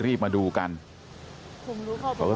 ผมยังอยากรู้ว่าว่ามันไล่ยิงคนทำไมวะ